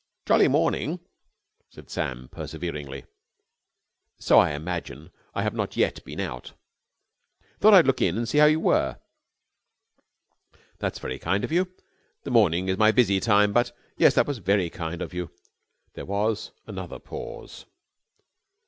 "Jolly morning," said Sam, perseveringly. "So I imagine. I have not yet been out." "Thought I'd look in and see how you were." "That was very kind of you. The morning is my busy time, but ... yes, that was very kind of you!" There was another pause.